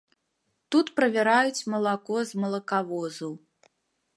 Тут правяраюць малако з малакавозаў.